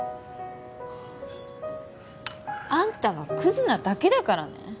あんたがくずなだけだからね。